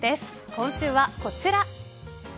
今週はこちら。